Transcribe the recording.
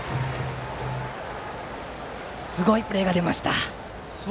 すごいプレーが出ました！